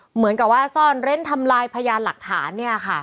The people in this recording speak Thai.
เหมือนกับว่าอาซ่อนเล่นทำลายพญาหนุ่มหลักฐาน